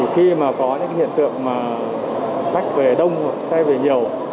khi mà có những hiện tượng khách về đông xe về nhiều